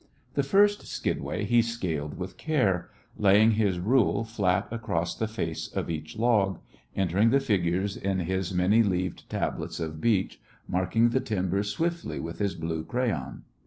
The first skidway he scaled with care, laying his rule flat across the face of each log, entering the figures on his many leaved tablets of beech, marking the timbers swiftly with his blue crayon.